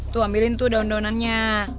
tuh ambilin tuh daun daunannya